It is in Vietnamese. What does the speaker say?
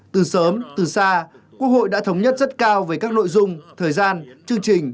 từ sớm từ xa quốc hội đã thống nhất rất cao về các nội dung thời gian chương trình